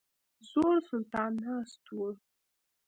زوړ سلطان ناست وو.